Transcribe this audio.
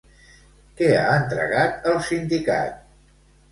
Què ha entregat, el sindicat?